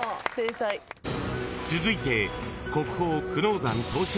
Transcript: ［続いて］